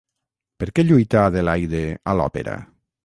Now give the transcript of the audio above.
Per què lluita Adelaide a l'òpera?